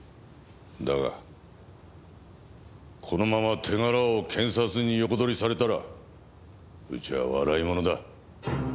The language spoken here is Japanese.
だがこのまま手柄を検察に横取りされたらうちは笑い者だ。